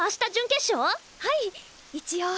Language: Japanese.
はい一応。